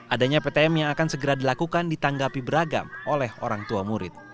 adanya ptm yang akan segera dilakukan ditanggapi beragam oleh orang tua murid